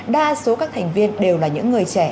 đa số các thành viên đều là những người trẻ